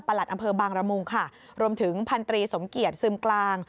ประหลัดอำเภอบางรมุงค่ะรวมถึงพันตรีสมเกียรติซึมกลาง